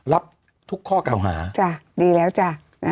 รับทุกข้อกำหน่า